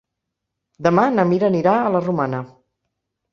Demà na Mira anirà a la Romana.